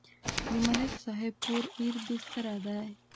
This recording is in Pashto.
د ملک صاحب کور ایر بېستره و.